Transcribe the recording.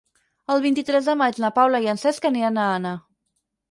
El vint-i-tres de maig na Paula i en Cesc aniran a Anna.